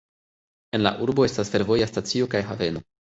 En la urbo estas fervoja stacio kaj haveno.